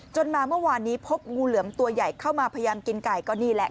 มาเมื่อวานนี้พบงูเหลือมตัวใหญ่เข้ามาพยายามกินไก่ก็นี่แหละ